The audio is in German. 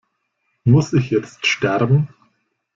Muss ich jetzt sterben?